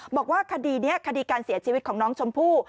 บอกว่าคดีนี้คดีการเสียชีวิตของน้องชมพู่